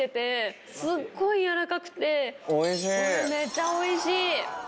めっちゃおいしい！